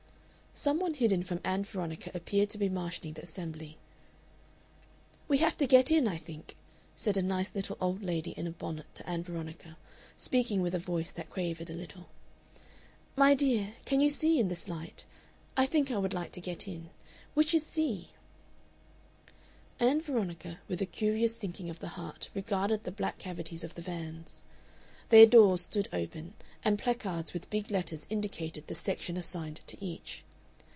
Some one hidden from Ann Veronica appeared to be marshalling the assembly. "We have to get in, I think," said a nice little old lady in a bonnet to Ann Veronica, speaking with a voice that quavered a little. "My dear, can you see in this light? I think I would like to get in. Which is C?" Ann Veronica, with a curious sinking of the heart, regarded the black cavities of the vans. Their doors stood open, and placards with big letters indicated the section assigned to each.